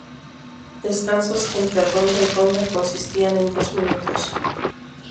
Descansos entre ronda y ronda consistían en dos minutos.